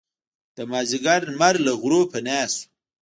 د مازدیګر لمر له غرونو پناه شو.